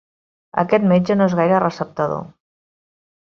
Aquest metge no és gaire receptador.